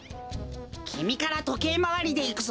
きみからとけいまわりでいくぞ！